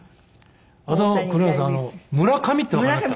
あと黒柳さん村上ってわかりますか？